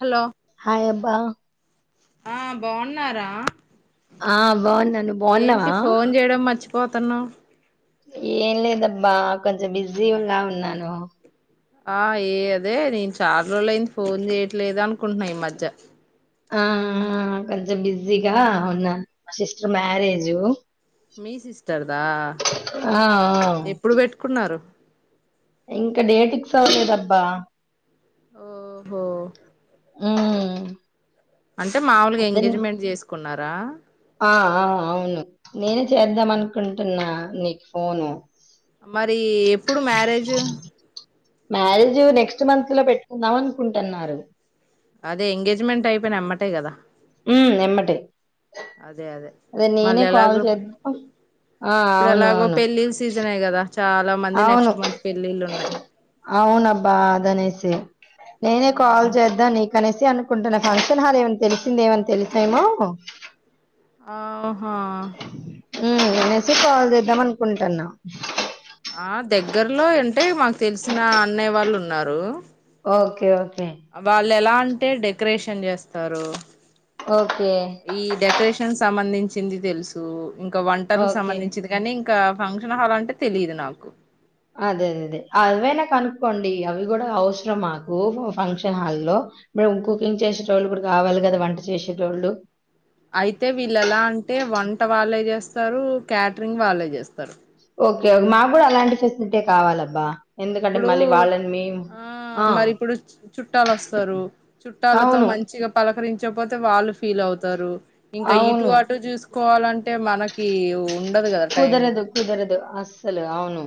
Hello hi అబ్బా. ఆ బాగున్నారా. ఆ బాగున్నాను నువ్వు బాగున్నావా. పోతున్నావ్. ఏం లేదబ్బా కొంచెం బిజీ ఉన్నా ఉన్నాను ఆ ఏ అదే నేను చాలా రోజు అయింది ఫోన్ చేయట్లేదు అనుకుంటున్నా ఈ మధ్య ఆ ఆ కొంచెం బిజ్జీగా ఉన్నా సిస్టర్ మ్యారేజ్ మీ సిస్టర్ దా ఆ ఆ. ఎప్పుడు బెట్టుకున్నారు ఇంకా డేట్ ఫిక్స్ అవ్వలేదబ్బా ఓహో హ్మ్ అంటే మాములుగా ఎంగేజ్మెంట్ చేసుకున్నారా ఆ ఆ, అవును నేనే చేద్దాం అనుకుంటున్నా నీకు ఫోను మరీప్ ఎప్పుడు మ్యారేజ్ మ్యారేజ్ నెక్స్ట్ మంత్ లో పెట్టుకుందాం అనుకుంటున్నారు అదే ఎంగేజ్మెంట్ అయిపోయినా ఎంబటే కదా ఉమ్ ఎంబటే అదే మళ్ళీ నేనే కాల్ ఎలాగో చేద్దాం ఆ ఇప్పుడు అవును ఎలాగో అవును పెళ్ళిళ్ళ సీజనే కదా చాలా మంది అవును నెక్స్ట్ మంత్ పెళ్ళిళ్ళు అవునబ్బా గనేషే నేనే కాల్ ఉన్నాయి చేద్దా నీక్ అనేసి అనుకుంటున్న ఫంక్షన్ హాల్ ఏమైనా తెలిసిందని ఏమని తెలుసేమో ఆహా హ్మ్ తినేసి కాల్ చేద్దామనుకుంటున్న ఆ దగ్గరలో అంటే మాకు తెలిసిన అన్నయ్య వాళ్ళు ఉన్నారు ఆ ఓకే ఓకే వాళ్లు ఎలా అంటే డెకరేషన్ చేస్తారు ఓకే ఈ డెకరేషన్ సమ అందించింది తెలుసు ఇంకా వంటలకు ఓకే సంబంధించింది కాని ఇంకా ఫంక్షన్ హల్ అంటే తెలిదు నాకు అదే అదే అదే అవైనా కనుక్కోండి అవి కూడా అవసరం మాకు ఫంక్షన్ హాల్లో కుకింగ్ చేసేట వాళ్ళు ఇప్పుడు కావాలి కదా వంట చేసెటోళ్లు అయితే వీళ్ళలా అంటే వన్ పంట వాళ్ళే చేస్తారు క్యాటరింగ్ వాళ్ళే చేస్తారు ఓకే మాకు కూడా అలాంటి ఫెసిలిటీ కావాలబ్బా ఎందుకంటే ఇప్పుడు మళ్ళీ వాళ్ళని మేము ఆ మరి ఇప్పుడు చుట్టాలు వస్తారు చుట్టాలతో అవును మంచిగా పలకరించి చకపోతే వాళ్ళు ఫీల్ అవుతారు ఇంకా ఇటు అవును అటు చూసు కోలంట్ అంటే మనకి ఉండదు కదా టైం అసలు అవును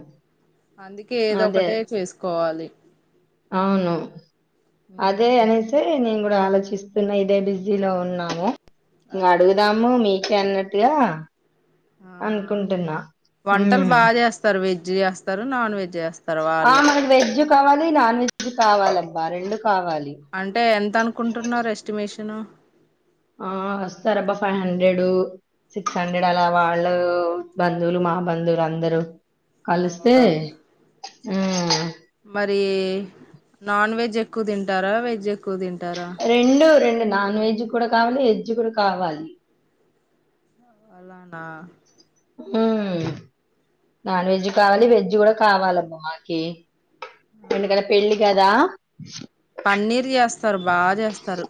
అందుకే ఏదో అదే ఒకటే చేసుకోవాలి. అవును అదే ఉమ్, అనేసి నేను కూ ఆలోచిస్తున్నా ఇదే బిజీ లో ఉన్నాము. ఇగా అదే అదే అడుగుదాము మీ అన్నట్టు గా ఆ అనుకుంటున్నా వంటలు హ్మ్ బాగా చేస్తారు వెజ్ చేస్తారు నాన్ వెజ్ చేస్తారు ఆ వాళ్ళే మనకి వెజ్ కావాలి నాన్ వెజ్ కావాలని బా రెండు కావాలి అంటే ఎంత అనుకుంటున్నారు ఎస్టిమేషన్ తిను ఆ వస్తారబ్బా ఫైవ్ హండ్రెడ్ సిక్స్ హండ్రెడ్ అలా వాళ్ళు బంధువులు మా బంధువులు అందరూ ఆ కలుస్తే ఆ మరి నాన్ వెజ్ ఎక్కువ తింటారా వెజ్ ఎకు తింటారా రెండు రెండు నాన్ వెజ్ కూడా కావాలి వెజ్ కూడా కావాలి. అ నాన్ వెజ్ కావాలి వెజ్ కూడా కావాలబ్బా మాకి ఆ, ఎందుకంటే పెళ్ళి కదా [inaudible] పన్నీర్ చేస్తారు బాగా చేస్తారు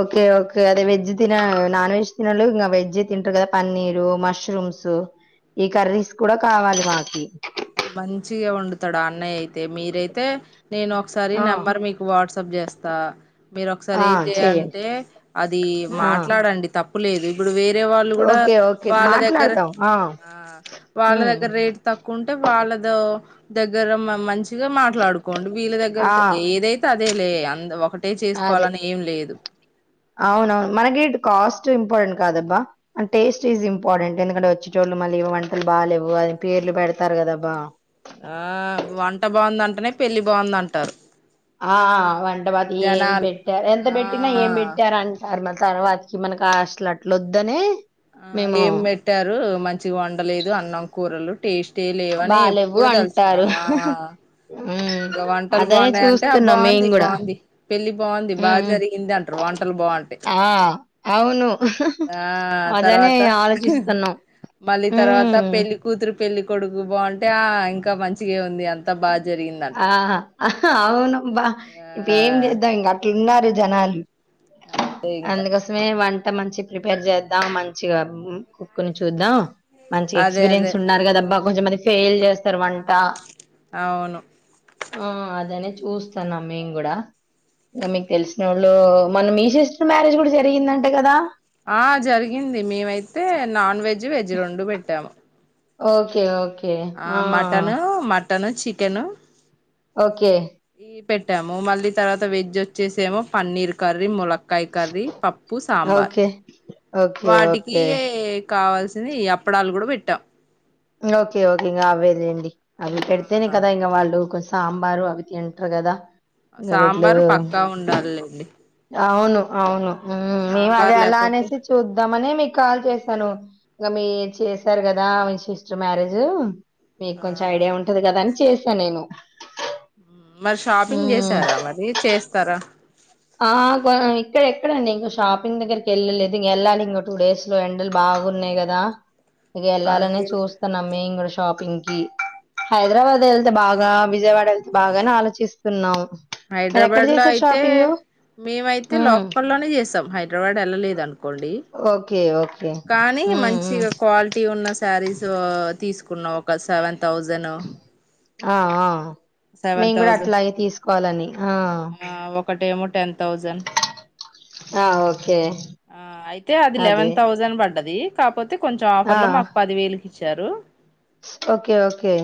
ఓకే ఓకే అదే వెజ్ తిన నాన్ వెజ్ తినలో ఇంకా వెజ్ తింటారు కదా పన్నీరు మష్రూ మష్రూమ్స్ ఈ కర్రీస్ కూడా కావాలి మాకి మంచిగా ఉండుతాడా అన్నయ యితే అతే మీరయితే నేను ఒకసారి ఆ నెంబర్ మీకు వాట్స సబ్జీ చేస్తా మీరు ఒకసారి ఆ ఏం చెయ్యండి చేయాలంటే అది ఆ మాట్లాడండి తప్పు లేదు ఇప్పుడు వేర వాళగగ ఓకే ఓకే మాట్లాడతాం ఆ ఉమ్ వాళగ్గే తక్ వాళ్ళతో దగ్గర మంచిగా మాట్లాడుకు కొం బీల దగ్గర ఆ ఏదైతే అదేలే అ ఒకటి [inaudible] అదే అవునవును మనగ కాస్ట్ ఇంపార్టెంట్ కాదబ్బా అండ్ టేస్ట్ ఇజ్ ఇంపార్టెంట్ ఎందుకంటే వచ్చే చోట్లు మళ్ళీ వంటలు బాలేవు అది పేర్లు పెడతారు కదబ్బా ఆ వంట బాగుందంటేనే పెళ్లిి బాగుందంటారు ఆ వంటపాతి ఏం జనాలు పెట్టారు ఎంత పెట్టినా ఏం ఆ పెట్టార అంటారు మరి తర్వాతకి మనకి అసలు అట్ల వద్దని ఆ ఏం పెట్టారు మంచిగా వండలేదు ఇ అన్నంకూరలు టేస్ట్ అంటే లేవని బాలేవు ఎప్పుడు తలుసుకు అంటారు ఆ ఉమ్ ఇక వంటలు అదనే బాగున్నాయి అంటే చూస్తున్నాం మేము బాగుంది కూడా బాగుంది పెళ్లిి బాగుంది బాగా ఉమ్ జరిగింది అంటారు వంటలు బాగుంటాయి ఆ అవును ఆ అదనే తర్వాత ఆలోచిస్తున్నాం మళ్ళీ తర్వాత ఉమ్ పెళ్లి కూతురు పెళ్లిి కొడుకు బా అంటే ఇంకా మంచిగా ఉంది అంత తబా [inaudible] ఆ జరిగిందంటారు అవును బా ఇప్పు ఏం జేద్దాం ఇంగ అట్లున్నార్ జనాలు అంతే ఇంకా అందుకోసమే వన్ అంత మంచి ప్రిపేర్ చేద్దాం మంచిగా మ్ కుక్ని చూద్దాం మంచి అదే అదే ఎక్స్పీరియన్స్ ఉన్నారు గదాబ్బా కొంచెంమ ఫేల్ జేస్తరు వంట అవును ఆ అదేనె చు చూస్తున్నాం మేమ్ గుడా ఇగ మీక్తెల్సినోళ్ళు మొన్న మీ సిస్టర్ మ్యారేజ్ గుడా జరిగిందంట గదా ఆ జరిగింది మేమైతే నాన్ వెజ్ వెజ్ రెండు పెట్టాము ఓకే ఓక్ ఆ మటనూ మ టను, చికెను ఒకే పెట్టాము మళ్ళీ తర్వత వెజ్ ఒచ్చేసేమో పన్నీర్ కర్రీ, ములక్ కాయ్ కర్రీ, పప్పు, ఓకే. సాంబార్ ఓకే. వాటికీ ఓకే. కావాల్సింది ఈ అప్పడాలు గుడా పెట్టా ఓకే ఓకే ఇంక అవేలేండి అవి పెడితేనే ఆ గదా ఇంగ వాళ్ళు కొ సాంబారు అవి తింట్రు గదా సాంబారు పక్కా ఉండాలేండి ఔను ఔను మ్ మేమదే అలా లేకపోతే అనేసే చూద్దామని మీక్ కాల్ చేసాను ఇగ మీ చేశారు గదా మీ సిస్టర్ మ్యారేజ్ ఆ మీకొంచెం ఐడియా ఉంటది గదని చేస్ చనేను మరి షాపింగ్ చేసారా మరి చేస్తారా ఆ గా ఇక్కడ ఎక్కడండి ఇంక షాపింగ్ దగ్గరికి ఎళ్ళలేదు ఇంగ ఎళ్ళాలి ఇంగ టూ డేస్లో ఎండలు బాగున్నాయి గదా ఇగ ఎళ్ళాలనే అదే చూస్తున్నాం మేమ్ గుడ్ షాపింగ్ కి హైదరాబాద్ ఎళ్తే బాగా విజయవాడ ఎళ్తే బాగాన అని ఆలోచిస్తున్నాం మీరెక్కడ హైదరాబాద్లో చేశారు ఐతే షాపింగు? మేమైతే హ్మ్. లోకల్లోనే చేసాం హైద్రబాడ్ ఏళ్లలేదు అనుకోండి ఓకే. ఓకే. కానీ హ్మ్. హ్మ్. మంచిగా క్వాలిటీ ఉన్న శారీసో తీస్కున్నా ఒక సెవెన్ తౌజను ఆ ఆ మేము కూడా అట్లాగే తీసుకు పాలని ఆ ఒకటేమో టెన్ థౌజండ్ ఆ ఓకే ఆ అయితే అది అదే లెవెన్ థౌజండ్ పడ్డది పోతే కొంచెం ఆ ఆఫర్ లో మాకు పది వేలుకి ఇచ్చారు ఓకే ఓకే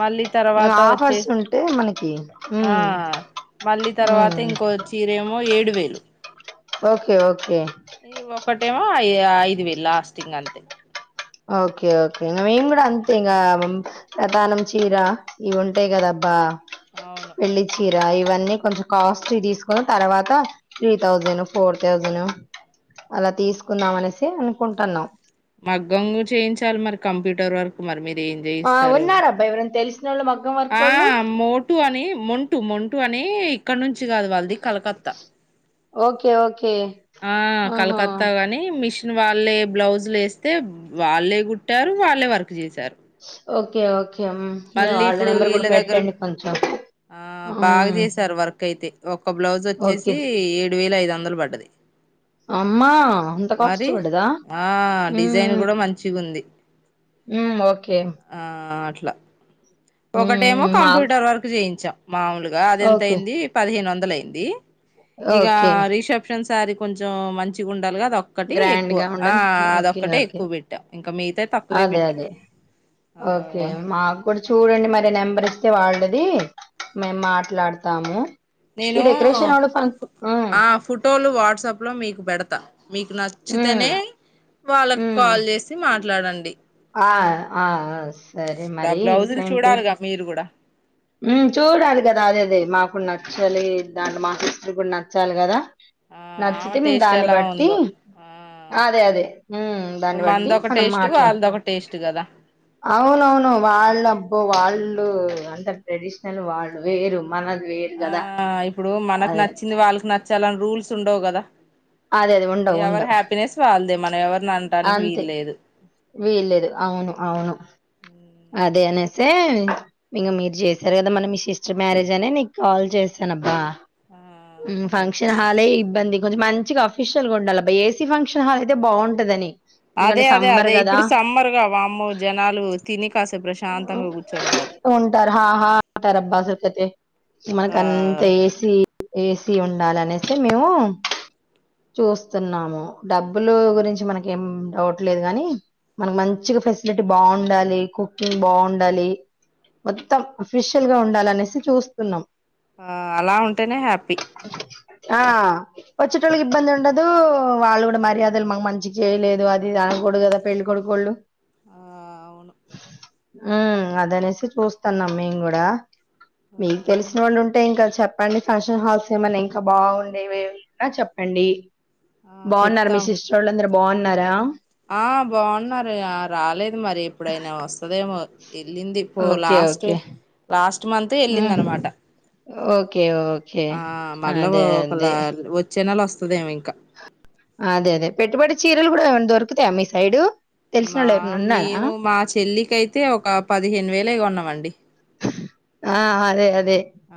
మళ్ళీ తర్వాత వచ్చే ఆఫర్స్ ఉంటే మనకి ఆ మళ్ళీ తర్వాత ఇంకో చీరేమో ఏడు వేలు ఓకే ఓకే ఈ ఒకక్కటేమో అఐ ఐదు వేలు లాస్టింగ్ అంతే ఓకే ఓకే ఇంకా మేము కూడా అంతే ఇంకా రతానం చీర ఇవి ఉంటాయి కదాబ్బా అవును ఇవన్నీ కొంచం కాస్ట్ తీసుకు తర్వాత త్రీ థౌసండ్ ఫోర్ తౌసండ్ అలా తీసుకుందాం అనేసి అనుకుంటున్నాం మగ్గంగు చేయించాలి మరి కంప్యూటర్ వర్క్ అ ఏం ఆ చేయిస్తారు ఉన్నారబ్బా ఎవరైనా తెలిసిన వాళ్ళు మగ్గం వర్క్ ఆ వాళ్ళు మోటు అని మొంటూ మొంటూ అని ఇక్కడ నుంచి కాదు వాళ్ళది కలకత్తా ఓకే ఓకే ఆ ఆహా కలకత్తా గాని మిష్ వాళ్ళే బ్లౌజ్ లే వేస్తే వాళ్ళే కుట్టారు వాళ్ళే వర్క్ చేశారు ఓకే ఓకే హ్మ్. ఇగ మళ్ళీ వాళ్ళ ఇప్పుడు నెంబర్ కూడా వీళ్ళ దగ్గర పెట్టండి కొంచెం. ఆ బాగా హ్మ్. చేసారు వర్క్ అయితే ఒక బ్లౌజ్ ఓకే. వచ్చేసి ఏడు వేల ఐదు మందులు పడ్డది అమ్మా అంత మరి కాష్టపడుదా ఆ డిజైన్ కూడా మంచిగా ఉంది ఓకే ఇలా ఒకటేమో హ్మ్. మాకు కంప్యూటర్ వరక్ చేయించాం మాములుగా అది ఎంత ఓకే. అయింది పదిహేను వంద మొదలైంది ఇక ఓకే. రిషబ్ సారి కొంచెం మంచిగా ఉండ ఉండలుగా అదొక్కటి ఎక్కువ గ్రాండ్‌గా ఆ ఉండని ఓకే. అదొక్కటే ఓకే. ఎక్కువ పెట్టా ఇంకా మిగతా తక్కువే అదే. పెట్టాం అదే. ఆ ఓకే. మాకు కూడా చూడండి మరి నెంబర్ ఇస్తే వాళ్ళది మేము మాట్లాడతాము ఈ నేను డెకరేషన్ వాళ్ళు ఫం హ్మ్. ఆ ఫోటోలు వా వాట్సాప్ లో మీకు పెడతా మీకు హ్మ్. నచ్చితేనే వాళ్ళకు హ్మ్. కాల్ చేసి మాట్లాడండి ఆ ఆజు ఇప్పుడు ఆ బ్లౌజులు చూడాలి గా మీరు గూడ హ్మ్ చూడాలి గదా అదే అదే మాకు నచ్చాలి దాంట్ మా సిస్టర్ గుడ్ నచ్చాలి గదా ఆ ఆమె నచ్చితే మేము టేస్ట్ దాన్ని ఎలా బట్టి ఉందో ఆ అదే అదే హ్మ్ ఇప్పుడు దాన్ని బట్టి మనదొక మనం టేస్ట్ మాట్లా వాళ్ళదొక టేస్ట్ కదా అవునుఅవును వాళ్ళు అబ్బో వాళ్ళు కు అంతట్ ట్రెడిషనల్ వాళ్లు వేరు కదా ఆ ఇప్పుడు మనకు అదే నచ్చింది వాళ్ళకు నచ్చాలని రూల్స్ ఉండవు గదా అదే అదే ఉండవు ఎవరి ఉండవు హ్యాపీనెస్ వాళ్ళది మ అంతే వీల్లేదు అవును అవును అదే అనేసే ఇంగా మీరు చేశారు గదా మన మీ సిస్టర్ మ్యారేజ్ అని నీకు కాల్ చేసాను అబ్బా ఆ ఉం ఫంక్షన్ హాలే ఇబ్బంది కొంచెం మంచిగా అఫీషియల్ గా ఉండాలి అబ్బా ఏసీ ఫంక్షన్ హాల్ అయితే బాగుంటది అని అదే అదే అదే ఇప్పుడు సమ్మర్ గా వామ్మో జనాలు తిని కాసేపు ప్రశాంతంగా కూర్చోంటారు ఉంటారు హాహా ఉంటారు అబ్బా స కతే ఆ మనకంత ఏసి ఏసి ఉండాలి అనేసే మేము చూస్తున్నాము డబ్బులు గురించి మనకు ఏం డౌట్ లేదు గానీ మనకు మంచిగా ఫెసిలిటీ బాగుండాలి కుకింగ్ బాగుండాలి మొత్తం అఫిషియల్ గా ఉండాలి అనేసి చూస్తున్నాం ఆ అలా ఉంటేనే హ్యాపీ ఆ వచ్చేటోళ్ళకి ఇబ్బంది ఉండదు వాళ్ళు గూడ మర్యాదలు మాకు మంచిగా చేయలేదు అది ఇది అనగూడదు గదా పెళ్ళికొడుకు ఒళ్ళు ఆ అవు మా ఆ అది అనేసి చూస్తాన్నాం మేము గుడా ఆ మీకు తెలిసిన వాళ్ళు ఉం అంటే ఇంకా చెప్పండి ఫంక్షన్ హాల్స్ ఏమన్నా ఇంకా బాగుండేవి ఏవి ఉన్న చెప్పండి ఆ బాగున్నారు మీ చెప్తాం సిస్టర్ వొళ్ళు అందరు బాగుం ఉన్నారా ఆ బాగున్నారు ఆ రాలేదు హ్మ్ మరి ఇప్పుడైనా వస్తదేమో ప వెళ్ళింది పో ఓకే లాస్ట్ ఓకే లాస్ట్ ఈ మంత్ వెళ్ళింది ఉమ్, అనమాట ఓకే ఓం ఆ మళ్ళ ఓ ఒకలా వొ చిన్నల్ వస్తుందేమింకా అదే అదే పెట్టుబడి చీరలు కూడా దొరుకుతాయా మీ సైడు తెలిసిన మా వాళ్ళు ఎవరైనా ఉన్నారా మేము మా చెల్లికయితే ఒక పదిహేను వేలేగొన్నామండి ఆ అదే అదే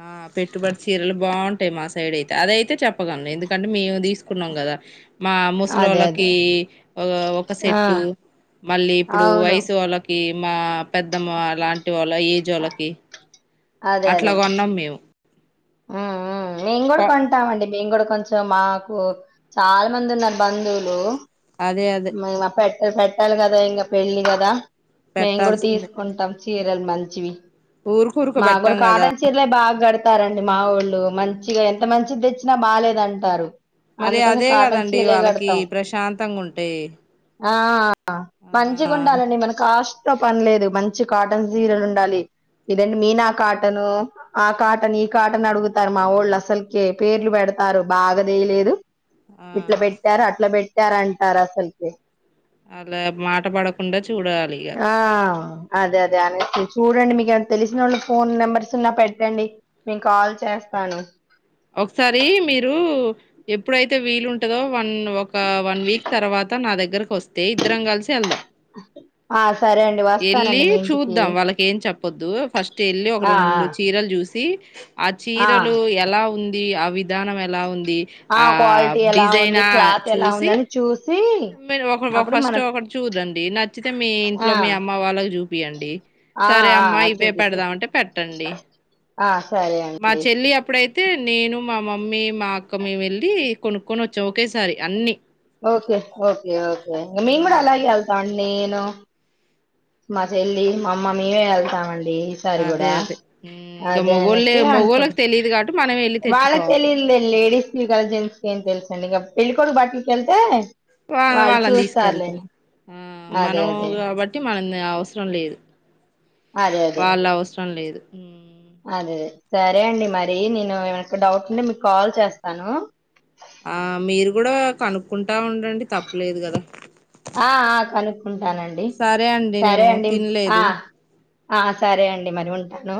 ఆ పెట్టుబడి చీరలు బాగుంటాయి మా సైడ్ అయితే అదయితే చెప్పగలను ఎందుకంటే మేము దీసుకున్నాము కదా మా అదే అదే ముసులోలకి ఓ ఒక ఆ సెట్టు మళ్ళీ ఇపుడు అవును. వయిసోలకి మా పెద్దమ్మ అలాం టి వాళ ఏజోలకి అట్లా కొన్నం మేము ఊ ఊ మేము కూడా కొ కొంటామండి మేము కూడా కొంచెం మాకు చాలా మంది ఉన్నారు బంధువులు అదే అదే తె పెట్టాలి కదా ఇంగా పెళ్లి కదా మేము కూడా పెట్టాల్సిందే తీసుకుంటాం చీరలు మంచివి ఊరుకు ఊరుకు మాగుడ పెట్టాం కదా కాటన్ చీర్లే బాగ్ గడ్ టారండి మా వోళ్ళు మంచిగా ఎంత మంచిది తెచ్చినా బాలేేదంటారు మరి అదే కదండి వాళ్ళకి ప్రశాంతంగా ఉంటే ఆ ఆ మంచిగా ఉండాలండి మన కాస్ట్ త పనిలేదు మంచి కాటన్ చీరలు ఉండాలి ఇదండి మీనా కాటన్ ఆ కాటన్ ఈ కాటన్ అడుగుతారు మా వోళ్ళు అసలుకే పేర్లు పెడతారు బాగాదేలేదు ఇట్లా ఆ పెట్టారూ అట్లా పెట్ కరన్ తెరసల్కె అలా మాట పడకుండా చూడాలి ఇగ ఆ అదే అదే అనే చూడండి మీకు ఏ తెలిసిన వాళ్ళు ఫోన్ నెంబర్స్ ఉన్నా పెట్టండి నేను కాల్ చేస్తాను ఒకసారి మీరు ఎప్పుడైతే వీలుంటదో వన్ ఒక వన్ వీక్ తర్వాత నా దగ్గర వొస్తే ఇద్దరం కలిసి వెళ్దాం ఆస్ యెళ్ళి చూద్దాం వాళ్ళకేం చెప్పొద్దు ఫస్ట్ యెళ్ళి ఒక ఆ రెండు చీరలు చూసి ఇ ఆ చీరలు ఎలా ఉంది ఇ ఆ విధానం ఎలా ఉంది ఆ క్వాలిటీ ఎలా ఉంది డిజైనా క్లాత్ ఎలా చూసి ఉందని చూసి మీరు ఒక అప్పుడు మన ఫస్ట్ ఒకటి చూదండి నచ్చితే మీ ఇంట్లో మీ ఆ అమ్మ వాళ్ళకు జూపియండి ఆ సరే అమ్మ ఆ ఇవే చూపిస్తాను పెడదామంటే పెట్టండి ఆ సరే మా అండి చెల్లి అప్పుడైతే అయితే నేను మా మమ్మీ మా అక్క మేమెళ్ళి కొనుక్కొని వచ్చాం ఒకేసారి అన్నిీ ఓకే ఓకే ఓకే ఆ! మెంగూడ అలాగే వెల్తమండి నేను మా చెల్లి మా అమ్మ మేమే యెళ్తామండి ఈ సారి అదే గూడా అదే ఇంకా అదే మొగోళ్ళే అస్తే అకో మొగోళ్ళకి తెలియదు కాబట్టి మనం వెళ్ళి వాళ్ళ తెచ్చుకోవాలి తెలి లేడీస్ ఇ జెంట్స్ క తెలు ండి ఇగ పెళ్ళికొడుకు బట్టల్కెళ్తే వా వాళ్ళని దీసుకెళ్తాం ఆ అదే మనము అదే గాబట్టి మనకి అ అవసరం లేదు అదే అదే ం లేదు అదేే సరే అండి మరి నేను ఏమ డౌట్ ఉంటే మీకు కాల్ చేస్తాను ఆ మీరు కూడా కనుక్కుంటా ఉండండి తప్పులేదు కదా ఆ కనుక్ కుంటానండి సరే అండి సరే నేను అండి ఆ తినలేదు ఆ సరే అండి మరి ఉంటాను